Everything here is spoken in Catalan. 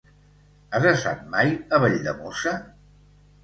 Has estat mai a Valldemossa?